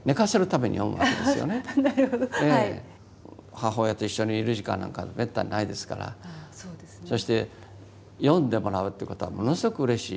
母親と一緒にいる時間なんかめったにないですからそして読んでもらうっていうことはものすごくうれしいことです。